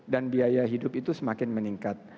biaya hidup itu semakin meningkat